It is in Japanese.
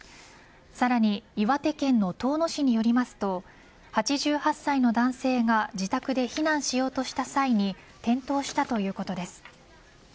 さらに岩手県の遠野市によりますと８８歳の男性が自宅で避難しようとした際に転倒したということです。